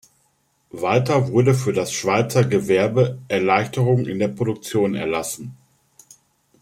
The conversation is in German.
Weiter wurde für das Schweizer Gewerbe Erleichterungen in der Produktion erlassen.